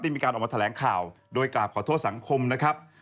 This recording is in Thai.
มีการออกมาแถลงข่าวโดยกราบขอโทษสังคมนะครับ